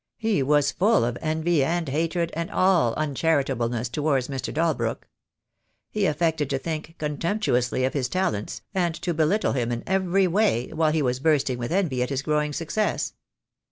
He was full of envy and hatred and all uncharitableness towards Mr. Dalbrook. He affected to think contemptuously of his talents, and to belittle him in every way, while he was burst ing with envy at his growing success.